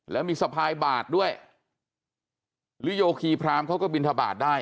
แล้วมีสะพายบาทด้วยหรือโยคีพรามเขาก็บินทบาทได้